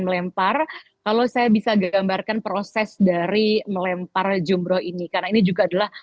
melempar kalau saya bisa gambarkan proses dari melempar jumroh ini karena ini juga adalah